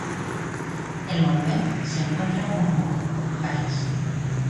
El monument se encuentra en Monmouth, Gales.